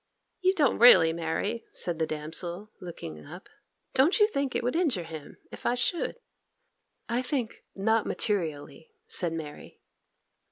'You don't really, Mary,' said the damsel, looking up; 'don't you think it would injure him if I should?' 'I think not materially,' said Mary.